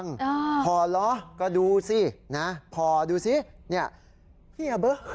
พอเหรอก็ดูสินะพอดูสิเนี่ยเหี้ยเบอะ